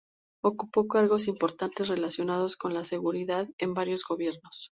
Ocupó cargos importantes relacionados con la seguridad en varios gobiernos.